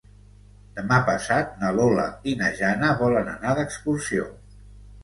Demà passat na Lola i na Jana volen anar d'excursió.